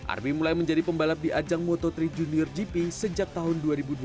arbi mulai menjadi pembalap di ajang moto tiga junior gp sejak tahun dua ribu dua belas